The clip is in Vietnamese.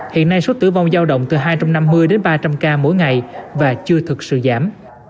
hiện nay số tử vong giao động từ hai trăm năm mươi đến ba trăm linh ca mỗi ngày và chưa thực sự giảm